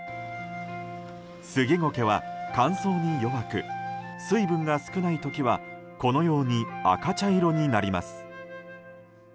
スギゴケは、乾燥に弱く水分が少ない時はこのように赤茶色になります。